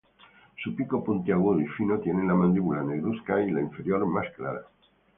Su pico puntiagudo y fino tiene la mandíbula negruzca y la inferior más clara.